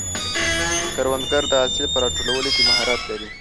کروندګر د حاصل په راټولولو کې مهارت لري